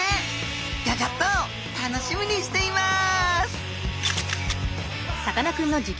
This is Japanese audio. ギョギョッと楽しみにしています！